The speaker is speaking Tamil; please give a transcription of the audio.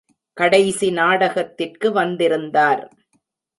கடைசி நாடகத்திற்கு வந்திருந்தார்.